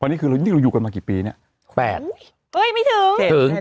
วันนี้คือนี่เราอยู่กันมากี่ปีเนี้ยแปดอุ้ยไม่ถึงเห็นไหมถึง